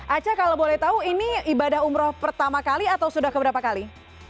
aca kalau boleh tahu ini ibadah umroh pertama kali atau sudah keberapa kali